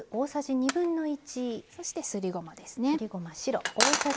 そしてすりごまですね。